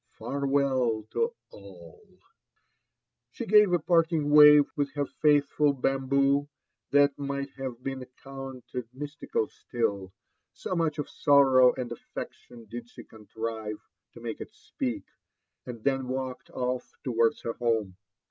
Farewell to all I" She gave a parting wave with her faithful baniboo^ that might htt^e been eounted mystical still, so much of sorrow and affection did she contrive to make it speak, and then walked off towards her home.